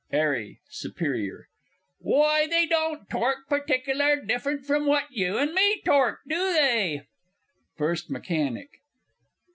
'ARRY (superior). Why, they don't tork partickler different from what you and me tork do they? FIRST MECHANIC.